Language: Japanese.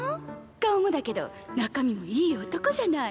顔もだけど中身もいい男じゃない